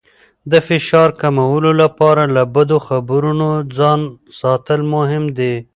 د فشار کمولو لپاره له بدو خبرونو ځان ساتل مهم دي.